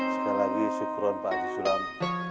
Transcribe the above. sekali lagi syukur pak ustadz